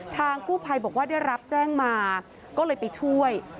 ทางกู้ภัยบอกว่าได้รับแจ้งมาก็เลยไปช่วย